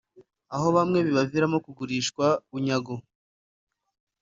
aho bamwe bibaviramo kugurishwa bunyago